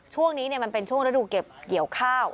ช่วงนี้มันเป็นช่วงฤดูเก็บเกี่ยวข้าว